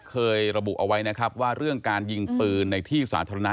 เคยระบุเอาไว้นะครับว่าเรื่องการยิงปืนในที่สาธารณะ